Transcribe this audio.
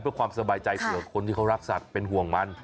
เพื่อความสบายใจสำหรับคนที่เขารักสัตว์เป็นห่วงมัน